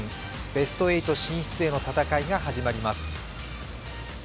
ベスト８進出への戦いが始まります。